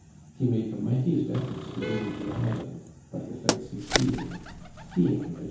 He made the mightiest efforts to gain the island, but without succeeding, seeing which